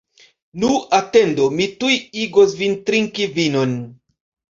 Nu, atendu, mi tuj igos vin trinki vinon!